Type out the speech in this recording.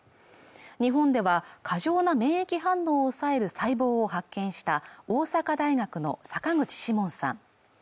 日本では過剰な免疫反応を抑える細胞を発見した大阪大学の坂口志文さん